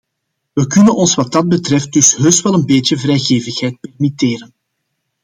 We kunnen ons wat dat betreft dus heus wel een beetje vrijgevigheid permitteren.